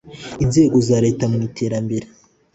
inzego za Leta mu iterambere